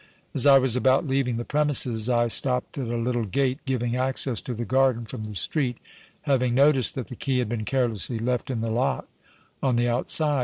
As I was about leaving the premises, I stopped at a little gate giving access to the garden from the street, having noticed that the key had been carelessly left in the lock on the outside.